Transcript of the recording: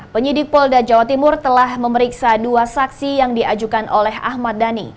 penyidik polda jawa timur telah memeriksa dua saksi yang diajukan oleh ahmad dhani